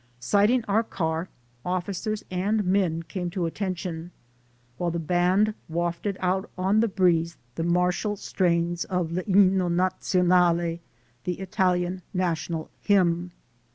Sighting our car, officers and men came to attention, while the band wafted out on the breeze the martial strains of "L 'Inno Nazionale," the Italian National Hymn.